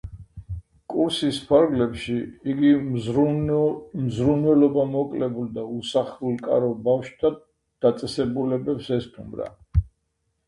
კურსის ფარგლებში, იგი მზრუნველობამოკლებულ და უსახლკარო ბავშვთა დაწესებულებებს ესტუმრა.